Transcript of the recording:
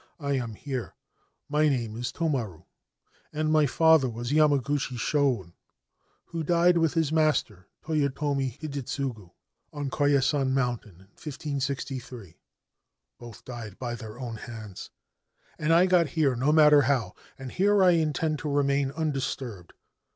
I am here My name is Tomaru, and my father was Yamaguch: Shoun, who died, with his master Toyotomi Hidetsugu, on Koyasan Mountain in 1563. Both died by their owr hands ; and I got here, no matter how, and here I intenc to remain undisturbed.